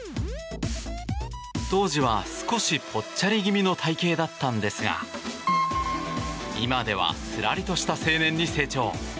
当時は少しぽっちゃり気味の体形だったんですが今ではすらりとした青年に成長。